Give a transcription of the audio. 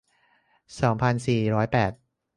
สองพันสี่ร้อยแปด